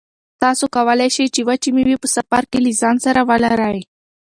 تاسو کولای شئ چې وچې مېوې په سفر کې له ځان سره ولرئ.